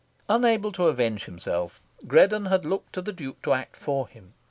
Unable to avenge himself, Greddon had looked to the Duke to act for him.